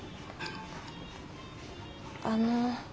あの。